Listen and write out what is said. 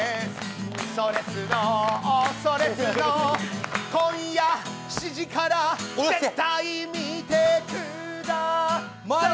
「それスノ」、「それスノ」、今夜７時から絶対見てくださーい。